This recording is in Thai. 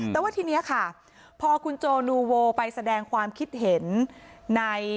แต่ว่าทีนี้ค่ะพอคุณโจนูโวไปแสดงความคิดเห็นใน